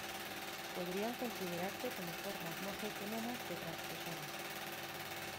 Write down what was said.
Podrían considerarse como formas más autónomas de transposones.